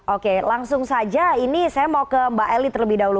oke langsung saja ini saya mau ke mbak eli terlebih dahulu